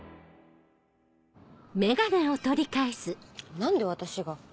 何で私が。